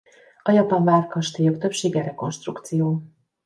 A japán várkastélyok többsége rekonstrukció.